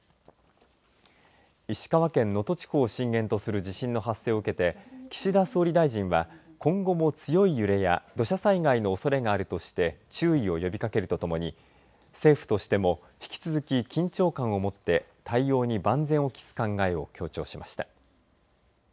石川県能登地方を震源とする地震の発生を受けて岸田総理大臣は今後も強い揺れや土砂災害のおそれがあるとして注意を呼びかけるとともに政府としても引き続き緊張感をもって対応に万全を期す考えを強調しました。